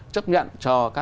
chấp nhận cho các